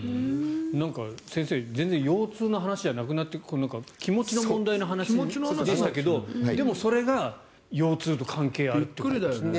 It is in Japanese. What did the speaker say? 先生、全然腰痛の話じゃなくなって気持ちの問題の話でしたけどでもそれが腰痛と関係があると。